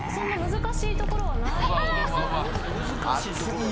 難しいところはないですね。